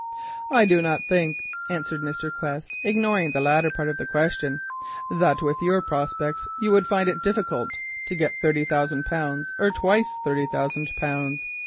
"I do not think," answered Mr. Quest, ignoring the latter part of the question, "that with your prospects you would find it difficult to get thirty thousand pounds.